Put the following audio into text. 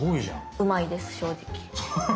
うまいです正直。